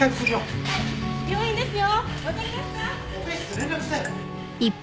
オペ室連絡して。